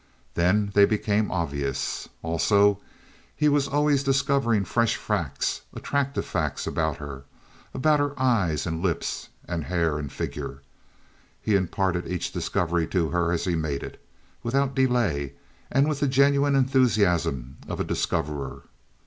Then they became obvious. Also, he was always discovering fresh facts, attractive facts, about her about her eyes and lips and hair and figure. He imparted each discovery to her as he made it, without delay, and with the genuine enthusiasm of a discoverer.